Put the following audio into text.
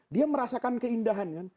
dia merasakan keindahan kan